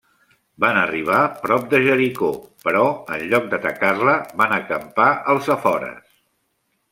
Van arribar prop de Jericó però en lloc d'atacar-la van acampar als afores.